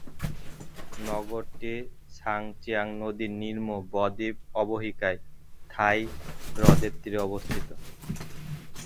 নগরীটি Chang Jiang নদীর নিম্ন ব-দ্বীপ অববাহিকায়, থাই হ্রদের তীরে অবস্থিত।